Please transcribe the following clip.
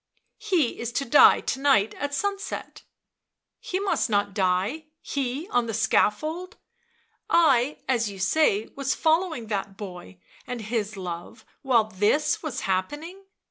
" He is to die to night at sunset." " He must not die— he, on the scaffold! I, as you say, 1 was following that boy and his love while this was happening